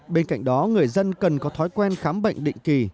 bên cạnh đó người dân cần có thói quen khám bệnh định kỳ